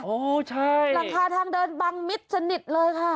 โอ้ใช่หลังคาทางเดินบางมิตรสนิทเลยค่ะ